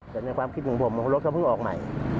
แต่ในความคิดของผมรถเขาเพิ่งออกใหม่